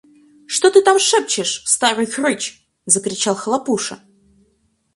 – Что ты там шепчешь, старый хрыч? – закричал Хлопуша.